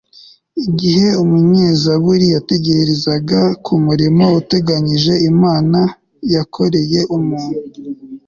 igihe umunyezaburi yatekerezaga ku murimo utangaje imana yakoreye umuntu